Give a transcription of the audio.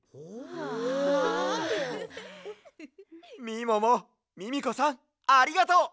みももミミコさんありがとう！